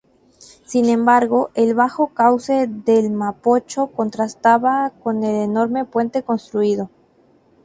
Sin embargo, el bajo cauce del Mapocho contrastaba con el enorme puente construido.